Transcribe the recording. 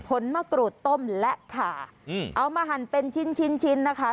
มะกรูดต้มและขาเอามาหั่นเป็นชิ้นชิ้นชิ้นนะคะ